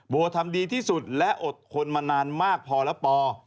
ทำดีที่สุดและอดทนมานานมากพอแล้วปอ